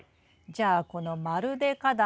じゃあこの「まるで花壇！